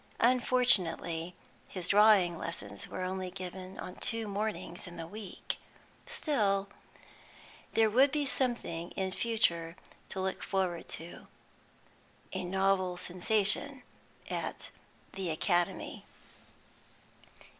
Unfortunately his drawing lessons were only given on two mornings in the week. Still, there would be something in future to look forward to, a novel sensation at The Academy.